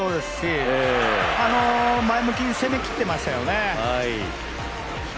まっすぐもそうですし、前向きに攻めきっていましたよね。